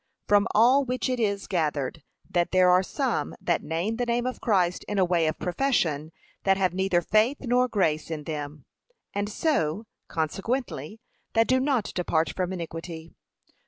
From all which it is gathered that there are some that name the name of Christ in a way of profession, that have neither faith nor grace in them, and so, consequently, that do not depart from iniquity.